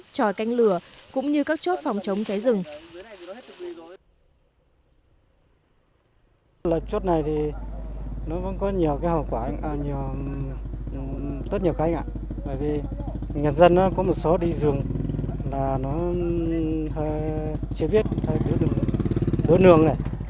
trò canh lửa cũng như các chốt phòng chống cháy rừng